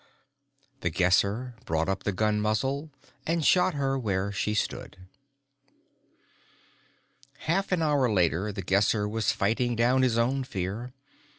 The Guesser brought up the gun muzzle and shot her where she stood. Half an hour later, The Guesser was fighting down his own fear.